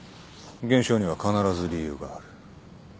現象には必ず理由がある。